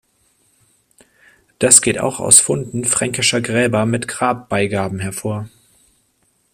Das geht auch aus Funden fränkischer Gräber mit Grabbeigaben hervor.